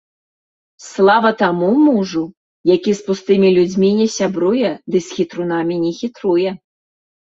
Слава таму мужу, які з пустымі людзьмі не сябруе ды з хітрунамі не хітруе.